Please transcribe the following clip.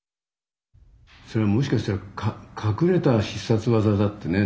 それはもしかしたら隠れた必殺技だってね